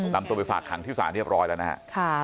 นำตัวไปฝากขังที่ศาลเรียบร้อยแล้วนะฮะ